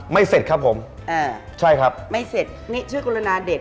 เสร็จครับผมอ่าใช่ครับไม่เสร็จนี่ช่วยกรุณาเด็ก